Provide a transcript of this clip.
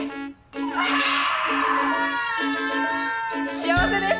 幸せです！